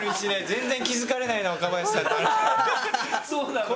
全然気づかれないな若林さんって。